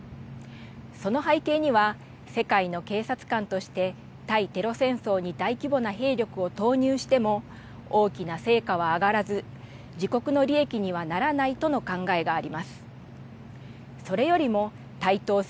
その背景には、世界の警察官として対テロ戦争に大規模な兵力を投入しても、大きな成果は上がらず、自国の利益にはならないとの考えがあります。